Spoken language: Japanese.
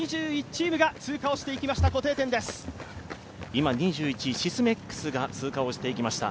今２１位、シスメックスが通過していきました。